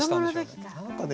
何かね